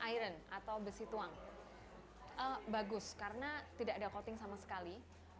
iron atau besi tuang bagus karena tidak ada coating sama sekali